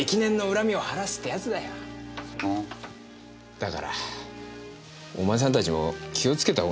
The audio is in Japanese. だからお前さんたちも気をつけたほうがいいな。